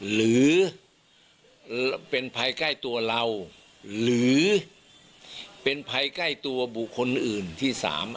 หรือเป็นภัยใกล้ตัวเราหรือเป็นภัยใกล้ตัวบุคคลอื่นที่๓